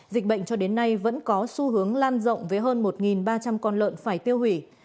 dịch bệnh cho đến nay vẫn có xu hướng lan rộng với hơn một ba trăm linh con lợn phải tiêu hủy